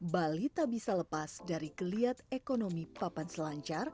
bali tak bisa lepas dari kelihat ekonomi papatetaka